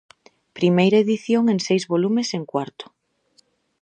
Primeira edición en seis volumes en cuarto.